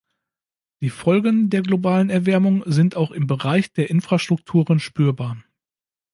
Die Folgen der globalen Erwärmung sind auch im Bereich der Infrastrukturen spürbar.